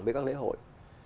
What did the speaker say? với các lễ hội